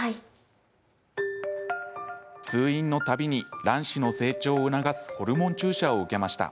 通院のたびに卵子の成長を促すホルモン注射を受けました。